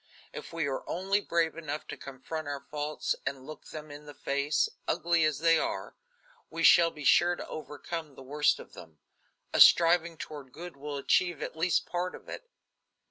If we are only brave enough to confront our faults and look them in the face, ugly as they are, we shall be sure to overcome the worst of them. A striving toward good will achieve at least a part of it."